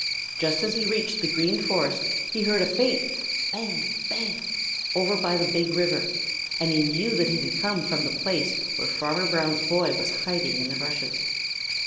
Just as he reached the Green Forest he heard a faint "bang, bang" from over by the Big River, and he knew that it came from the place where Farmer Brown's boy was hiding in the rushes.